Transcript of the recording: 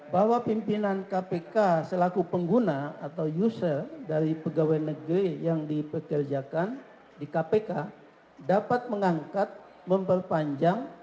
bahwa pimpinan kpk selaku pengguna atau user dari pegawai negeri yang dipekerjakan di kpk dapat mengangkat memperpanjang